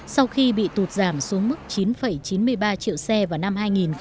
sau khi bị tụt giảm xuống mức chín chín mươi ba triệu xe vào năm hai nghìn hai mươi